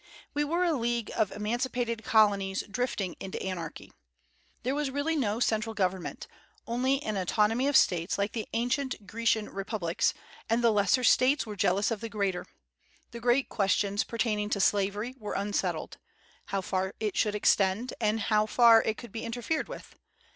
We were a league of emancipated colonies drifting into anarchy. There was really no central government; only an autonomy of States like the ancient Grecian republics, and the lesser States were jealous of the greater. The great questions pertaining to slavery were unsettled, how far it should extend, and how far it could be interfered with.